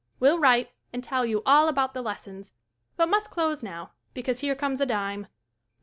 Will write and tell you all about the les sons, but must close now because here comes a dime.